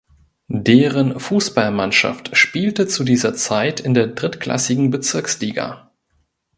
Deren Fußballmannschaft spielte zu dieser Zeit in der drittklassigen Bezirksliga.